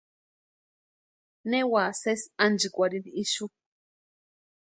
Ne úa sési ánchikwarhini ixu.